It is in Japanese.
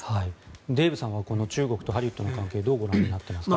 デーブさんはこの中国とハリウッドの関係どうご覧になっていますか？